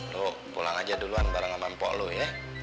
lo pulang aja duluan bareng sama mpok lo ya